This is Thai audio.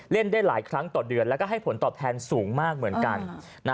เล่นได้หลายครั้งต่อเดือนแล้วก็ให้ผลตอบแทนสูงมากเหมือนกัน